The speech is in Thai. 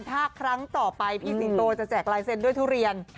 ถ้าครั้งต่อไปพี่สิงโตจะแจกลายเซ็นต์ด้วยทุเรียน